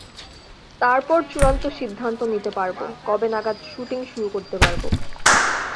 তারপর চূড়ান্ত সিদ্ধান্ত নিতে পারব, কবে নাগাদ শুটিং শুরু করতে পারব।